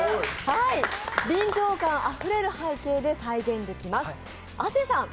臨場感あふれる背景で再現できます。